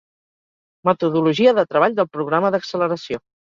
Metodologia de treball del programa d'acceleració.